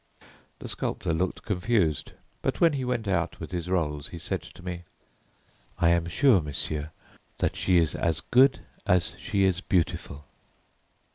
The sculptor looked confused, but when he went out with his rolls, he said to me, 'I am sure, Monsieur, that she is as good as she is beautiful.'"